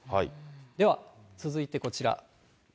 では、続いてこちら。